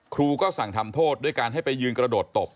ครูก็สั่งทำโทษด้วยการให้ไปยืนกระโดดตบ